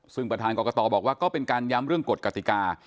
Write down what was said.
ซึ่งประธานกรกตบอกว่าก็เป็นการย้ำเรื่องกฎกติกา